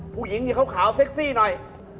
ผู้หญิงขาวเซ็กซี่หน่อย